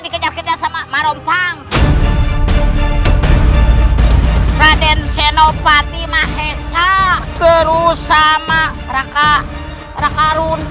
dikejar kejar sama marompang raden senopati mahesa